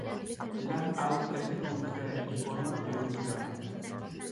Lan hau herri kulturaren ikonoa bihurtu da.